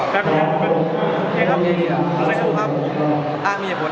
แบบนี้นะครับโอเคครับรู้สึกครับอ่ามีเหตุผล